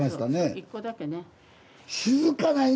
１個だけね。